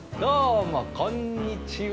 こんにちは。